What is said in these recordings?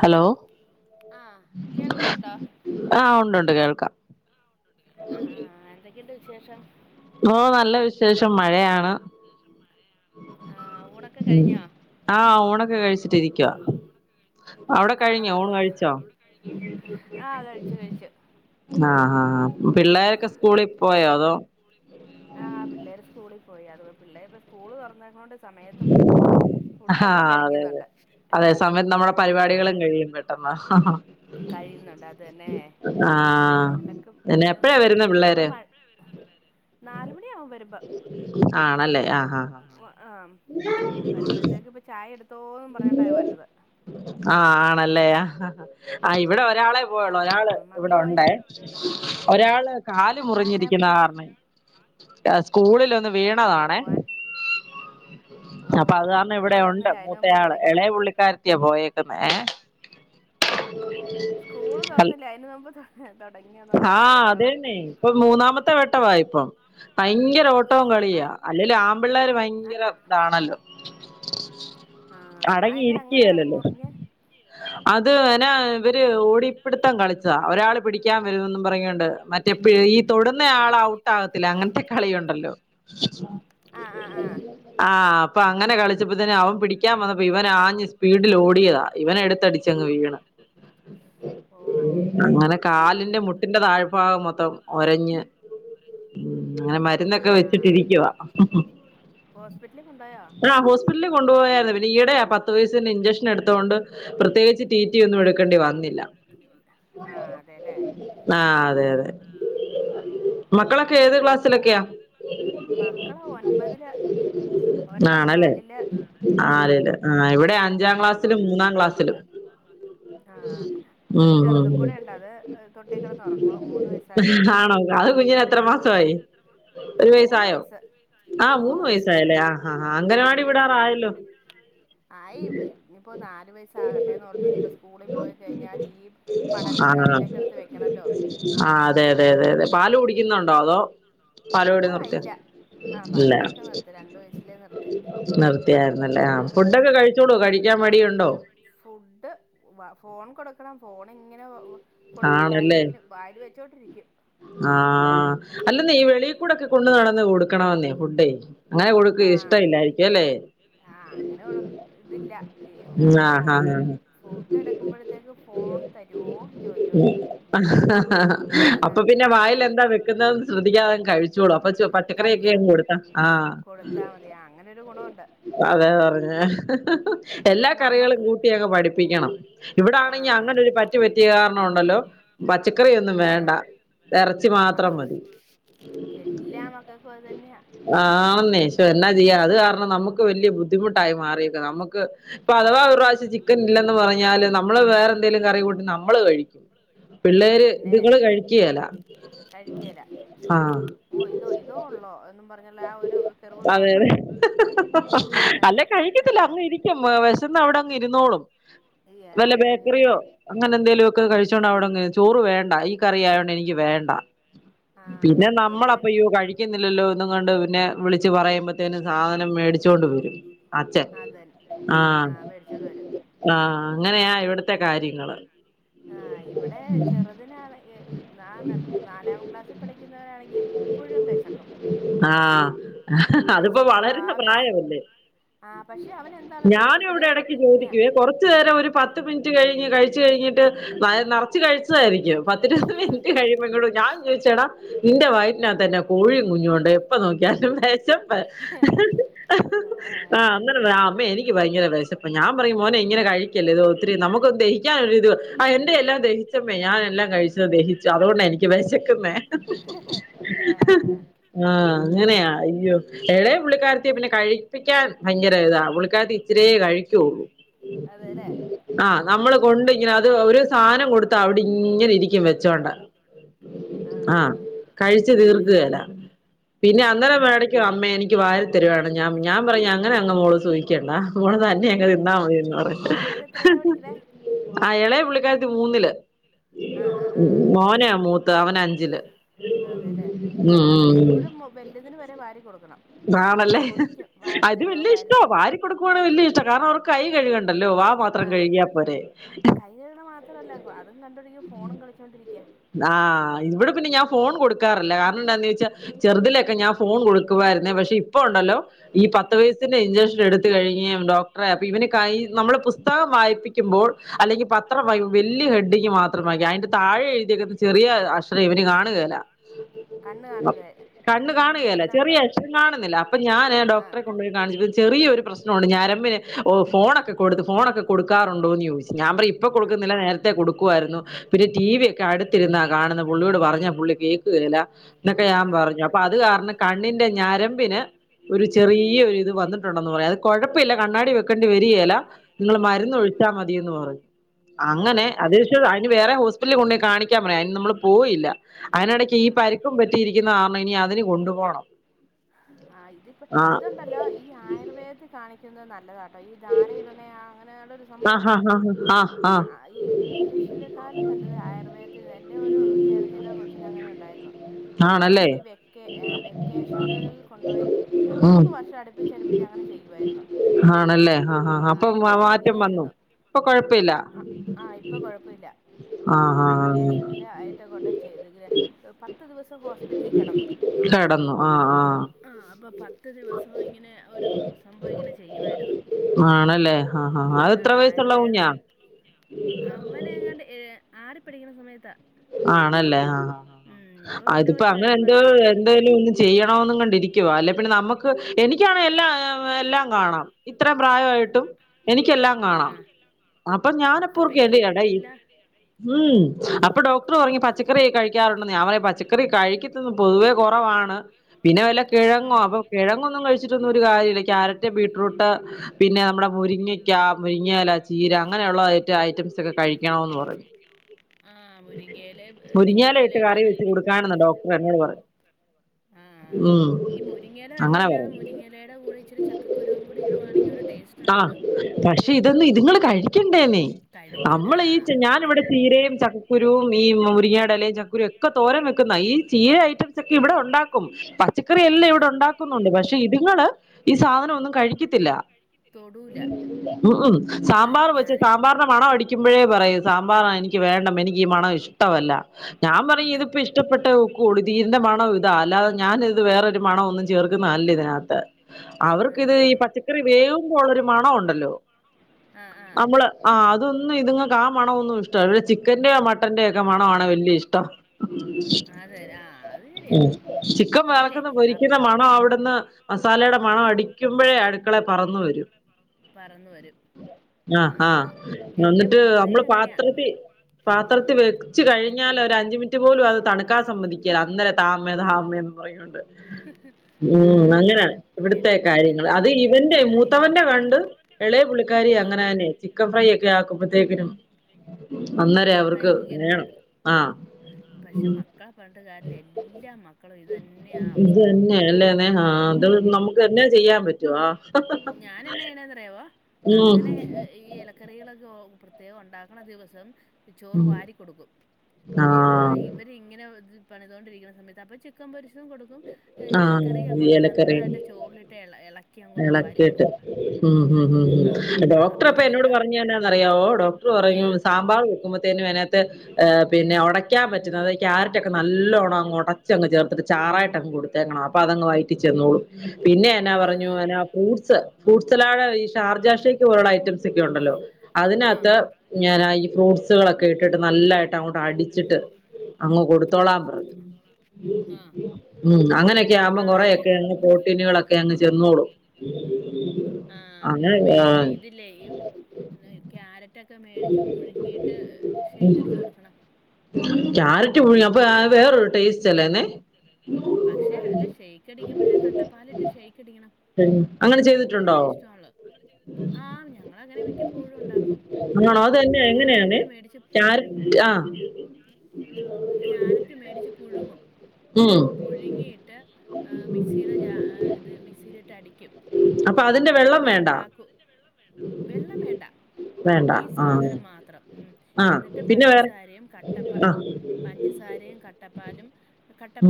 Hello. Hello. ആഹ്, കേൾക്കുന്നുണ്ടോ? ആ ഉണ്ടുണ്ട് കേൾക്കാം ആഹ് ഉണ്ടുണ്ട്. കേൾക്കുന്നുണ്ട്. ആഹ് എന്തൊക്കെണ്ട് വിശേഷം. ഓഹ് നല്ല വിശ് വിശേഷമായ് ഓഹ് നല്ല വിശേഷം. മഴയാണ്. ആഹ് ഊണൊക്കെ കഴിഞ്ഞാ. ആഹ്, ഊണൊക്കെ കഴിച്ചിട്ടിരിക്കുവാ. അവിടെ ആ ആ കഴിഞ്ഞൊ. ആ ഊൺകഴിച്ചോ. ആ കഴിച്ചു കഴിച്ചു ആഹ് ഹാ ഹാ പിള്ളേരൊക്കെ സ്കൂളീ പോയോ, അതോ? പൊയോ. ആഹ് പിള്ളേര് സ്കൂളീ പോയി. അത് പേ പിള്ളേര് സ്കൂള് തുറന്നെയ്നം കൊണ്ട് സ് സമയത്ത് ഫുഡ് ഹ് ഹ് ആ ഫുഡൊക്കെ അതെ അതെ കഴിക്കുന്നുണ്ട്. അതെ സമയത്ത് നമ്മുടെ ആഹ്, അതെ. പരിപാടികളും കഴിയും അപ്പൊ നമ്മുടെ പെട്ടെന്ന് പരിപാടികളെക്കെ. കഴിയുന്നുണ്ട് അത് തന്നെ. ആ അലക്കും പിന്നെ എപ്പഴാ ആഹ് വരുന്നെ ഇപ്പൊ പിള്ളേര് മഴ എപ്പഴാ വരുന്ന് പിള്ളേരെ നാലുമണിയാവും വരുമ്പേ, ആണല്ലേ ആ ആ വആം. വരുമ്പഴ്ത്തേക്ക് പ്പ ചായ എട് ആഹ് ആണല്ലേ. ആഹ് ഇവിടെ ഒരാളെ പോയുള്ളൂ ഒരാള് ആ ഇവിടെ മക്കള് ഉണ്ടേ. പോയില്ലേ ഒരാള് കാല് അതെന്നാ മുറിഞ്ഞിരിക്ക്ണ പറ്റിയേ കാർണെ. യാ സ്കൂളിലൊന്ന് ഓ വീണതാണേ. ആ ഓ ഓ അപ്പത് കാർണം സ്കൂള് ഇവിടെ ഉണ്ട് തുറന്നില്ല അതിന് മുമ്പ് മൂത്തയാള് തുടങ്ങിയോ എളെ പുള്ളിക്കാരത്തിയാ പോയേക്കുന്നെ ഏഹ് ക നോമ്പ് തൊ ഹെ തൊടങ്ങിയേ ആഹ് അതെന്നെ ഇപ്പൊ മൂന്നാമത്തെ വട്ടവാ ഇപ്പം ഭയങ്കര ഓട്ടവും ആ കളിയാ. അല്ലേലും ആമ്പിള്ളേര് ഭയങ്കര ഇതാണല്ലോ. ആഹ് അയെന്നെ അങ്ങനെ അടങ്ങിയിരിക്കുകയല്ലല്ലോ മുറിഞ്ഞ്. അത് നാ ഇവര് ഓടിപ്പിടുത്തം കളിച്ചെതാ ഒരാള് പിടി ക്കാൻ വരൂന്നും പറഞ്ഞിങ്ങോണ്ട് മറ്റേ പ്പി ഈ തൊടുന്ന ആള് ഔട്ടാകത്തില്ല അങ്ങനത്തെ കളിയുണ്ടല്ലോ. ആഹ് ആഹ് ആഹ് ആഹ് അപ്പൊ അങ്ങനെ കളിച്ചപ്പത്തേന് അവൻ പിടിക്കാൻ വന്നപ്പോ ഇവനാഞ്ഞ് സ്പീഡിലോഡിയതാ ഇവനെ എടുത്തടിച്ചങ്ങ് വീണ്. ഓ അങ്ങനെ. കാലിന്റെ എൻ- മുട്ടിന്റെ താഴ്ഭാഗം മൊത്തം ഒരഞ്ഞ് അങ്ങനെ മര് ആ ന്നെക്കെ വെച്ചിട്ടിരിക്കുവാ ഹോസ്പിറ്റലിൽ കൊണ്ടുപോയോ ആഹ് ഹോസ്പിറ്റലിൽ കൊണ്ടുപോയായിരുന്നു പിന്നെ ഈയിടെയാ പത്ത് പത്ത് വയസ്സിൻ്റെ ഇഞ്ചക്ഷൻ എടുത്തോണ്ട് പ്രത്യേകിച്ച് ടി ടി ഒന്നും എടുക്കേണ്ടി വന്നില്ല. ആഹ് ആഹ് അതെ അതെ ഓ ഓ മക്കളൊക്കെ ഏത് ക്ലാസ്സ് സിലൊക്കെയാ മക്കള് ഒൻപതില് ഒരെണ്ണം ആണല്ലേ നാലില് ആഹ് അതേല്ലേ ആഹ് ഇവിടെ ഉം ഉം അഞ്ചാം ഉം ക്ലാസ്സിലും ഉം മൂന്നാം ക്ലാസ്സിലും ആഹ് ഒരു ഉം ഉം ചെറുതും ഉം കൂടെ ഉണ്ട് അത് തൊട്ടി കിടന്ന് ഉറങ്ങുവാ മൂന്ന് വയസ്സായുള്ളൂ ആണോ അത് കുഞ്ഞിന് എത്ര ആഹ് ആഹ് മാസമായി ഒരു മൂന്ന് വയസ്സായോ വയസ്സ് ആ മൂന്ന് വയസ്സ് വയസ്സായല്ലേ ആ ആ ആഹ് അംഗനവാടി ആഹ് വിടാറായല്ലോ ആയി ഇനിയിപ്പോൾ നാല് വയസ്സാകട്ടെന്ന് ഓർത്തിനി ഇപ്പോൾ സ്കൂളിൽ പോയി കഴിഞ്ഞാൽ ഈ പഠനം ആ തലയിലേക്ക് എടുത്ത് വെക്കണല്ലോ ആഹ് അതെ അതെ അതെ അതെ പാല് കുടിക്കുന്നുണ്ടോ അതോ പാലുകുടി ആഹ് നിർത്തിയോ ഇല്ല ആഹ് ഇല്ല പാലുകുടിയൊക്കെ നിർത്തി രണ്ട് വയസ്സിലേ നിർത്തി നിർത്തിയായിരുന്നല്ലേ ആഹ് ഫുഡൊക്കെ കഴി ച്ചോളോ കഴിക്കാൻ മടിയുണ്ടോ ഫുഡ് ഫോൺ കൊടുക്കണം ഫോൺ ഇങ്ങനെ കൊടുത്ത് ആണല്ലേ വായലിങ്ങനെ വായില് വെച്ചോണ്ടിരിക്കും ആഹ് അല്ലെന്ന ഈ വെളിയിൽക്കൂടൊക്കെ കൊണ്ട് നടന്ന് കൊടു ആഹ് ഇല്ലായിരിക്കും അല്ലേ ആഹ് അങ്ങനെ കൊടു ഇതില്ലാ ആഹ് ഫോൺ ആഹ് ഫുഡ് എടുക്കുമ്പോഴത്തേക്ക് ഫോൺ തരുവോന്ന് ചോദിച്ചോണ്ടിരിക്കും അപ്പൊ പിന്നെ വായിൽ ആഹ് എന്താ വെക്കുന്നെന്ന് ശ്രദ്ധിക്കാതെ കഴി ച്ചോളും [unintelligible] കഴിച്ചു കൊടുത്താ മതി അങ്ങനൊരു ഗുണമുണ്ട് അതെ പറഞ്ഞേ എല്ലാ കറികളും നമ്മക്ക് കൂട്ടി അങ്ങ് പഠിപ്പിക്കണം ഇവിടാണെങ്കിൽ ആഹ് അങ്ങനെ ഒരു പറ്റ് പറ്റ റ്റിയ കാരണം ഉണ്ടല്ലോ പച്ചക്കറി ഒന്നും വേണ്ട ആഹ് ഇറച്ചി മാത്രം ആഹ് മതി എല്ലാ മകക്കും അത് തന്ന്യാ ആന്നേ ശ്ശോ എന്നാ ചെയ്യാനാ അത് ആന്നെ പക്ഷെ എന്നാ ചെയ്യ അത് കാര്ണം നമുക്ക് വലിയ ബുദ്ധിമുട്ടായി മാറിയേക്ക നമക്ക് ഇപ്പൊ അഥവാ ഒരു പ്രാവശ്യം ചിക്കൻ ഇല്ലെന്ന് പറഞ്ഞാല് നമ്മള് വേറെ എന്തേലും കറി കൂട്ടി നമ്മ മ്മള് കഴിക്കും പിള്ളേര് അതന്നെ ഇതുങ്ങള് കഴിക്കേല കഴിക്കേല ഓഹ് ഇതൊ ഇതോ ഉള്ളോ എന്നും പറഞ്ഞുള്ള ആഹ് ഒരു കെർവ് അതെ കാണണം അതെ അല്ലെ കഴിക്കത്തില്ല അവിടെ ഇരിക്കും വിശ വിശന്ന് അവിടങ്ങ് ഇരുന്നോളും ഏഹ് വല്ല അത് തന്നെ ബേക്കറിയോ അങ്ങനെ എന്തേലൊക്ക കഴിച്ചോണ്ട് അവിടങ്ങ് ചോറ് വേണ്ട ഈ കറി ആയോണ്ട് എനിക്ക് വേണ്ട ആഹ് പിന്നെ നമ്മള് എന്റെ വീ അപ്പൊ അയ്യോ കഴിക്കുന്നില്ലല്ലൊ എന്നും കണ്ട് പിന്നെ വിളിച്ച് പറയുമ്പത്തേന് സാധനം മേടി ച്ചോണ്ട് വരും അച്ഛൻ അതൻ ആഹ് മേടിച്ചോണ്ട് വരും ആഹ് അങ്ങനെയാ ഇവിട്ത്തെ കാര്യങ്ങള് ആഹ് ഇവിടെ ചെറ്തിനാണ് നാലാം ക്ലാസ്സി പഠിക്കുന്നവനാണെങ്കി എപ്പഴും വെശക്കും ആഹ് വെശക്കുവാ വെശ ആഹ് പക്ഷെ അവൻ എന്താണോ ഞാനു ഇവിടെ ചെറുപ്പത്തിലേ എടക്ക് തൊട്ട് ഇങ്ങനെയാ ചോദിക്കുവേ കൊറച്ചു നേരം ഒരു പത്ത് മിനിറ്റ് കഴിഞ്ഞ് കഴിച്ച് കഴി ഞ്ഞിട്ട് വയർ നെറച്ച് കഴിച്ചതായിരിക്കും പത്തിരുപത് മിനിറ്റ് കഴിയുമ്പൊ ഞാൻ ആഹ് ചോദിച്ചെടാ നിന്റെ വയറ്റിനകത്ത് എന്നാ കോഴിം കുഞ്ഞുണ്ടൊ എപ്പൊ നോക്ക്യാലും വെശപ്പ് ആഹ് അങ്ങനെ അമ്മേ എനിക്ക് ഭയങ്കര വെശപ്പ് ഞാൻ പറയും മോനെ ഇങ്ങനെ കഴിക്കല്ലെ ഇതൊത്തിരി നമുക്ക് ദഹി ദഹിക്കാനൊരിത് എന്റെ എല്ലാം ദഹിച്ചമ്മേ ഞാനെല്ലാം കഴിച്ചത് ദഹിച്ചു അതുകൊണ്ട് എനിക്ക് വെശക്ക്ന്നെ ആഹ് ആഹ് അങ്ങനെയാ അയ്യൊ എളയ പുള്ളിക്കാര്ത്തിയെ പിന്നെ കഴി ഴിക്കാൻ ഭയങ്കര ഇതാ പുള്ളിക്കാര്ത്തി ഇച്ചിരിയേ കഴിക്കൊള്ളു അതെല്ലേ ആഹ് ന മ്മള് കൊണ്ടിങ്ങനെ അത് ഒരു സാധനം കൊടുത്താ അവിടെ ഇങ്ങനെ ഇരിക്കും വെച്ചോണ്ട് ആഹ് കഴിച്ച് തീർക്കേല പിന്നെ അന്നേരം അതെല്ലേ വേടിയ്ക്കും അമ്മേ എനിക്ക് വാരി തരുവാണ് ഞാ ഞാൻ പറയും അങ്ങനെ അങ്ങ് മോള് സുഖി ണ്ട മോള് തന്നെയങ്ങ് തിന്നാ മതിയെന്ന് പറയും അതെത്രയിലാ പഠിക്കണേ ആഹ് എളയ പുള്ളിക്കാര്ത്തി മൂന്നില് ആഹ് ആഹ് ആഹ് മോനാ മൂത്ത അവനഞ്ചില് ഉം അതെല്ലേ ഉം ഇവിടെ ഇപ്പഴും വല്ലതിന് വരെ വാരി കൊടുക്കണം ആണല്ലെ ചോദിക്കും അത് വാരിത്തരുവോ വല്യ ഇഷ്ട്വാ വാരിത്തരു വാരി കൊടുക്കുവാണെ വല്യ ഇഷ്ട കാരണം അവർക്ക് അപ്പൊ കൈ കഴുകണ്ടല്ലോ വാ മാത്രം ആഹ് കഴുകിയ കൈ കഴുക്ണത് മാത്രല്ല അപ്പൊ അതും കണ്ടോണ്ടിരിക്കും ഫോണും കളിച്ചോണ്ടിരിക്ക്യാ ആഹ് ഇവിടെ പിന്നെ ഞാൻ ഫോൺ കൊടുക്കാറില്ല കാരണം എന്താന്ന് ചോച്ചാൽ ചെറുതിലൊക്കെ ഞാൻ ഫോൺ കൊടുക്കുവായിരുന്നെ പക്ഷെ ഇപ്പ ഉണ്ടല്ലൊ ഈ പത്ത് ഉം വയസ്സിന്റെ ഇഞ്ചക്ഷൻ എടുത്ത് കഴിഞെ ഡോക്ടറേപ്പ ഇവന് കയ്യ് നമ്മള് പുസ്തകം വായിപി ക്കുമ്പോൾ അല്ലെങ്കി പത്രം വല്യ ഹെഡിങ് മാത്രം വായിക്ക അതിന്റെ താഴെ [unintelligible] ചെറിയ അക്ഷര ഇവന് കാണുകേല കണ്ണ് കാണൂല കണ്ണ് കണ്ണിന്റെ കാണ്കേല ചെറിയ ഇതുണ്ടോ കാണുന്നില്ല അപ്പൊ ഞാൻ ആഹ് ഡോക്ടറെ കൊണ്ടോയി കാണിച്ച് ചെറിയൊരു പ്രശ്നവുണ്ട് ഞരമ്പിന് ഓഹ് ഫോണൊക്ക ഫോണൊക്ക കൊടുക്കാറുണ്ടോന്ന് ചോദിച്ച് ഞാൻ പറഞ് ഇപ്പൊ ആഹ് കൊടുക്കുന്നില്ല നേരത്തെ കൊടുക്കുവായിരുന്നു പിന്നെ ടീ വി അടുത്തിര്ന്ന കാണുന്നെ പുള്ളിയോട് പറഞ്ഞ പുള്ളി കേൾക്കേല എന്നൊക്കെ ഞാൻ ആഹ് പറഞ്ഞു അപ്പൊ അത് കാര്ണം കണ്ണിന്റെ ഞരമ്പിന് ഒരു ചെറിയൊരു ഇത് വന്നിട്ടുണ്ടെന്ന് പറഞ് അത് കുഴപ്പല്ല കണ്ണാടി വെക്കണ്ടി വരികേല്ല ആഹ് ആഹ് അങ്ങനെ അതേലെ അതിന് ശേഷം അതിന് വേറെ ഹോസ്പിറ്റലിൽ കൊണ്ടുപോയി കൊണ്ട പറയാം അതിന് കാണിക്കാൻ നമ്മൾ പറയാ അയിന് നമ്മള് പോയില്ല അതിനിടയ്ക്ക് ഈ അയിന്റെടക് ഈ പരിക്കും കാരണം പറ്റിയിരിക്കുന്ന കാര്ണം ഇനി അതിന് കൊണ്ടുപോകണം ആഹ് ഇതിപ്പൊ ആ ഇതുണ്ടല്ലൊ ഈ ആയുർവേദത്തി കാണിക്കുന്നെ നല്ലതാട്ടൊ ഈ ധാരയിട്ന്നെ ആഹ് അങ്ങനെയുള്ളൊരു സംഭവുണ്ട് ആഹ് ഈ ഇംഗ്ലീഷിനെ കാളും നല്ലത് ആയുർവേദത്തിൽ എൻ്റെ ഒരു ചേട്ടത്തിയുടെ കൊച്ചിനെ അങ്ങനെ ഉണ്ടായിരുന്നു. ആഹ് അപ്പൊ അവര് ആണല്ലേ ഈ വെക്ക ഏ വെക്കേഷനൽ കൊണ്ടുപോയി ഉം മൂന്ന് വർഷം പക്ഷേ അടുപ്പിച്ച് അടുപ്പിച്ച് അങ്ങനെ ചെയ്യുവായിരുന്നു. ആണല്ലേ ആ ആഹ് ആഹ് അപ്പം കൊച്ചിന ഇങ്ങനെയായിരുന്നു ആ ഇപ്പൊ കൊഴപ്പല്ല മൂന്ന് ആഹ് ആഹ് വെക്കേഷനില് ആയിട്ട് ങ്ങോട്ട് ചെയ്ത്ക്ക്ണ് പ പത്ത് ദിവസം ഹോസ്പിറ്റലിൽ കിടന്നു കെടന്നു ആഹ് ആഹ് ആ അപ്പൊ പത്ത് ദിവസം ഇങ്ങനെ ഒരു സംഭവം ഇങ്ങനെ ചെയ്യുവായിരുന്നു. ആണല്ലേ ആ ഹാ അത് എത്ര വയസ്സുള്ള കുഞ്ഞാ? അവനങ്ങാണ്ട് ഏ ആറിൽ പഠിക്കുന്ന സമയത്താ ആണല്ലേ ആഹാ ഉം ഇപ്പൊ വല്യ അതിപ്പോ അങ്ങനെ കൊച്ചായി എന്തേ പത്തിലായി എന്തോലും ഒ ചെയ്യണന്ന് കണ്ടിരിക്കുവ അല്ലെ പിന്നെ നമുക്ക് എനിക്കാണ് എല്ലാം എല്ലാം കാണാം. ഇത്ര പ്രായമായിട്ടും എനിക്കെല്ലാം കാണാം. ആഹ് അപ്പൊ ഇപ്പൊ ഞാനപ്പോർക്കും എടി എടൈ പിള്ളേർക്കെല്ലാം ഉ അപ്പൊ ഡോ [unintelligible] പച്ചക്കറി കഴിക്കാറുണ്ടന്ന് ഞാൻ പറയാ പച്ചക്കറി കഴിക്കുന്നത് പൊതുവേ കുറവാണ്. പിന്നെ വല്ല കിഴങ്ങോ ഉം അപ്പൊ കിഴങ്ങൊന്നും കഴിച്ചിട്ടൊന്നും ഒരു കാര്യല്ല. ക്യാരറ്റ് ബീട്രൂട്ട് പിന്നെ നമ്മുടെ മുരിങ്ങയ്ക്ക മുരിങ്ങയില ചീര അങ്ങനെയുള്ളത് ഐറ്റംസൊക്കെ കഴിക്കണമെന്ന് പറഞ്ഞു. ആഹ് മുരിങ്ങയില മുരിങ്ങയില ചീരയില ഇട്ട് ഒക്കെ കറി വെച്ച് അതൊക്കെ കൊടുക്കാനെന്ന് ഡോക്ടർ എന്നോട് പറഞ്ഞു ആ ഉം ഈ മുരിങ്ങല തന്നെ അങ്ങനെ പറഞ്ഞു ഇല്ലാതെ മുരിങ്ങലയുടെ കൂടെ ഇച്ചിരി ചക്കുരുവും കൂടി ഇടുകവാണെങ്കിൽ ഒരു ടേസ്റ്റ് ആ ഉണ്ടല്ലോ പക്ഷേ ഇതൊന്ന ഇതുങ്ങൾ കഴിക്കണ്ടേന്നേ കഴിക്കൂ നമ്മൾ ആ ഈ അതാണ് ഞാനിവിടെ ചീരയും ച കുരുവും ഈ മുരിങ്ങടെ എലിം ചക്കുരു ഒക്കെ തോരൻ വെക്കുന്ന ഈ ചീര ഐറ്റംസ് ഒക്കെ ഇവിടെ ഉണ്ടാക്ക പച്ചക്കറി എല്ലാം ആ ഇവിടെ ഉണ്ടാക്കുന്നുണ്ട് പക്ഷേ ഇതുങ്ങള് ഈ സാധനം ഒന്നും കഴിക്കത്തില്ല. തൊടൂല ഉ ഉ ആ സാമ്പാർ വെച്ച ഞാൻ സാമ്പാറിന്റെ മണം അടിക്കുമ്പോഴേ പറയും സാമ്പാറാ എനിക്ക് വേണ്ടാ എനിക്ക്ഈ മണം ഇഷ്ടമല്ല ഞാൻ പറയും ഇതിപ്പോ ഇഷ്ടപ്പെട്ട കൊടുതിന്റെ മണ ന്റെ മണ ഇതാ അല്ലാതെ ഞാന് ഇത് വേറൊരു മണ ചേർക്കുന്നതല്ല ഒന്നും ചേർക്കുന്ന അല്ലത് ആഹ് റി വേവുമ്പോൾ ഒരു മണ ഉണ്ടല്ലോ ആ നമ്മള് ആ അതൊന്നും ഇതുങ്ങക്ക് ആ മണൊന്നും ഇഷ്ട്ടല്ല. കറി ചിക്കൻ ന്റെയോ മട്ടന്റെ ഒക്കെ മണാണ് വല്യ ഇഷ്ടം. ആ അതെ ആ അത് ശരിയാ ചിക്കൻ ഇതില്ലേ വറക്ക്ന്ന അപ്- പൊരിക്കുന്ന മണ അവിടുന്ന് മസാലയുടെ മണോ അടിക്കുമ്പോഴേ അടുക്കളെ പറന്നു വരും. പറന്ന് വരും ആ ആഹ്, ആഹ് എൻ്റെ നിന്ന്ട്ട് മൂത്തതിന് അമ്മളെ അങ്ങനെയാ പാത്രത്തി പാത്രത്തിൽ വെച്ച് കഴ്‌ഞ്ഞാൽ ഒരഞ്ച് മിൻറ്റ് പോലും അത് തണുക്കാൻ സമ്മതിക്കേല അന്നേരം താമ്മെ താമ്മെ ന്ന് പർഞ്. ആ ഉം അങ്ങനാ എ ഇവിടുത്തെ കാര്യങ്ങൾ എൻ്റെ അത് മു- ഇവൻ തെ മൂത്തവെന്റെ കണ്ട് എളേ പുള്ളിക്കാരി ആ അങ്ങനെന്നെ ചിക്കെൻ ഫ്രൈ ഒക്കെ ആക്കുമ്പോത്തേക്കിനും. ത്തേക്ക്നും. അന്നേരം അവർക്ക് ആഹ്. പക്ഷേ മക്കളെ പർഞ്ഞിട്ട് കാര്യാല്ല എല്ലാ മക്കളും ഇതെന്നെയ അവസ്ഥ. അല്ലേ നെഹാ ആ അതും ഉം. ന്നമുക്ക് തന്നെ ചെയ്യാൻ പറ്റും ആഹ്. ഞാനെന്നാ ചെയ്യ്ണെ ന്ന്അറിയാവോ അങ്ങെനെ ഏ ഈ എലക്കറികളൊക്കെ പ്രത്യേകം ഒണ്ടാക്കണ ദിവസം ചോറ് ഉം വാരി കൊട്ക്കും. എപ്പൊ ആഹ് ഇവരിങ്ങെനെ ഇത് പണിതോണ്ടിരിക്കുന്ന സമയെത്ത് അപ്പൊ ച ക്കംപൊരിച്ചതും കൊട്ക്കും ഹ് എലക്കറി ആഹ് അങ്ങൊണ്ട് നന്നായിട്ട് ചോറിലിട്ട് എള എള എളക്കിട്ട് ഉം, ഉം, ഉം ആ ഡോക്ട്ടെർ അപ്പൊ നല്ല എന്നോട് ആ പർഞ് എന്നാ അറിയാവോ ഡോക് ടർ പറയും ഉം. സാമ്പാർ വെക്കുമ്പോ തേനു അയ്നകത്ത് പിന്നെ ഒടയ്ക്കാൻ പറ്റുന്നത് ക്യാരറ്റ് ഒക്കെന്നല്ലോണം അങ്ങ് ഒടെച്ചങ് ചേർത്തിട്ട് ചാറായിട്ടങ് കൊടുത്തേങ്ങണം അപ്പ അതങ് വയറ്റി ചെന്നോളും പിന്നെ എന്നാ ആ പർ ഞ്ഞു ആ ഫ്രൂട്ട്സ് ഫ്രൂട്ട്സാലാട ഈ ഷാർജാഷെയ്ക്ക് പോലെ ഉള്ള ഐറ്റംസ് ഒക്കെ ഒണ്ടല്ലോ ആ അതിനകത്ത് ഞാന് ഈ ഫ്രൂട്ട്സുകളൊക്കെ ഇ ഇട്ടിട്ട് ന്നല്ലായ്ട്ട് അങ്ങോട്ട് അടിച്ചിട്ട് അങ്ങ് കൊടുത്തോളാം പർഞ്ഞു. ആ ഉം അങ്ങെനൊക്കെ ആകുമ്പോ ആ ഈ കൊറെയൊക്കെ അങ്ങ് പ്രോട്ടീനുകളൊക്കെ അങ്ങ് ചെന്നോളും ആഹ് അങ്ങനെ പിൻ ആഹ് ഇതില്ലേ ഇ ന്ന് ക്യാരറ്റൊക്കെ മേടിച്ച് പുഴുങ്ങിട്ട് ഉം ക്യാരറ്റ് പുഴ്‌ങ്ങ് അപ്പൊ അഹ് വേറൊരു ടേസ്റ്റ് അല്ലേന്നെ? പക്ഷെ അല്ല ഷേക്ക് അടിക്കുമ്പഴ്‌ കട്ടപ്പാലിട്ട് ഷേക്ക് അടിക്കെണം. അങ്ങനെ ആഹ് അന്നേര ചെയ്തിട്ടുണ്ടോ അഷ്ട്ടൊണ്ല്. ആഹ് ഞങ്ങള അങ്ങെനെ മിക്കപ്പോഴും ഒണ്ടാക്കും ആണോ അതന്നെ എങ്ങനെയാണ് ക്യാരറ്റ് മേടിച്ച് ക്യാരറ്റ് ആ ക്യാരെറ്റ് മേടിച്ച് പുഴുങ്ങും. ഉം പുഴുങ്ങിയിട്ട് ആഹ് മിക്സിലെ ജാ ഇത് മിക്സിയിലിട്ട് അടിക്കും. അപ്പഠ അതിന്റെ വെ അടിച്ചിട്ടാക്കൂ വെള്ളം വേണ്ട. വേണ്ട ഈ ആ സാധനം മാത്രം ഉം ആ എന്നിട്ട് പിന്നെ വേറെ പഞ്ചസാരെയും കട്ടപ്പ ആ പഞ്ചസാരേം കട്ടപ്പാലും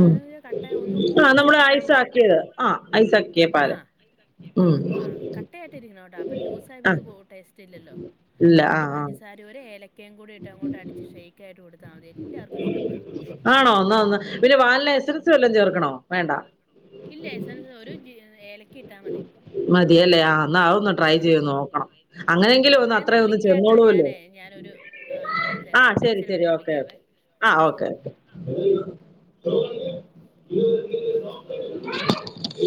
ഉം കട്ട ഒന്ന് ആ നമ്മള് ഒടച്ചിട്ട് ഐസ് ഇട്ടാമതി ആഹ് ആക്കിയത് നമ്മൾ ആ ഐസ് ഐസാക്കിയത് ആക്കിയ പാല് ആഹ് ഉം ആഹ്, ആഹ് കട്ട ആയിട്ട് ഇരിക്കണോട്ടോ അപ്പം ആ ലൂസായിപോയ കോ ടേസ്റ്റ് ഇല്ലല്ലോ. [unintelligible] എന്നിട്ട് പഞ്ചസാരെ ഒര് ഏലെ എലക്കേം കൂടിഇട്ട് അങ്ങോട്ട് അടിച്ച് ഷെയ്ക്കായ്ട്ട് കൊട്ത്താൽ മതി എല്ലാർക്കും ഇഷ്ട്ടപ്പെടും. അഹ് ത് വല്ലോം ചേർക്കണോ വേണ്ട. ഇല്ല എസെൻസ് ഒരു ഏലയ്ക്ക ഇട്ടാ മതി. മതിയല്ലേ ആഹ് അഹൊന്ന് ട്രൈ ചെയ്ത് ആഹ് നോക്കണം അങ്ങെനെങ്കിലും ആഹ് ഒന്ന് എന്നാ അത്രേ ഒന്ന് വിളിക്കാട്ടോ ചെന്നോള്ളുലോ. ഞാനേ ഞാനൊരു ആഹ് ഒരു തെരെക്കുണ്ട് ഇച്ചിരി ശരി ഓക്കെ വിളിക്കാവേ ഓക്കെ ആ ആഹ് ശെരി. [unintelligible]